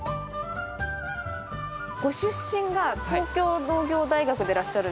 ご出身が東京農業大学でらっしゃる。